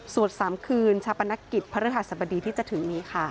สวดสามคืนชาปนกิจพระราชสมดีที่จะถึงนี้ค่ะ